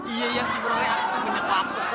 iya iya sebenernya aku tuh minat waktu